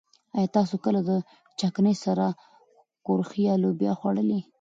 ايا تاسو کله د چکنۍ سره کورخې يا لوبيا خوړلي؟